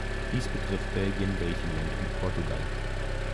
Dies betrifft Belgien, Griechenland und Portugal.